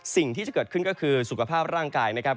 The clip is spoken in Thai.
สิ่งที่จะเกิดขึ้นก็คือสุขภาพร่างกายนะครับ